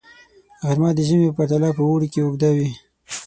غرمه د ژمي په پرتله په اوړي کې اوږده وي